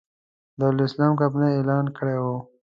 دارالسلام کمپنۍ اعلان کړی و.